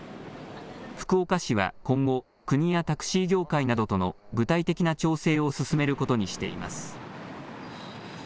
福岡市は今後、国やタクシー業界などとの具体的な調整を進めることにしています。